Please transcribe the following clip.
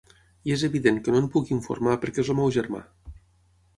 I és evident que no en puc informar perquè és el meu germà.